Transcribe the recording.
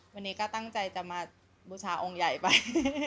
วันนี้ก็ตั้งใจจะมาบูชาองค์ใหญ่ไป